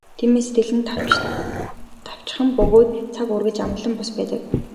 Тиймээс сэтгэл нь давчхан бөгөөд цаг үргэлж амгалан тайван бус байдаг.